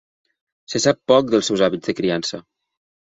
Se sap poc dels seus hàbits de criança.